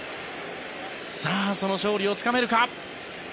その勝利をつかめるか。